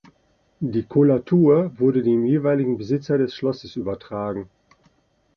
Die Kollatur wurde dem jeweiligen Besitzer des Schlosses übertragen.